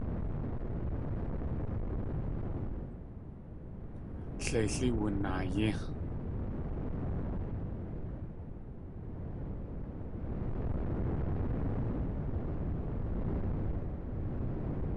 Leilí wunaayí.